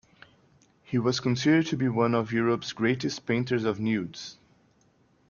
He was considered to be one of Europe's greatest painters of nudes.